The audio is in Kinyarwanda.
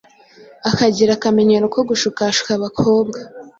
akagira akamenyero ko gushukashuka abakobwa